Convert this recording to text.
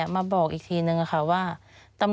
มันจอดอย่างง่ายอย่างง่าย